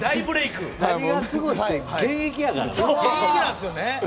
現役だからね。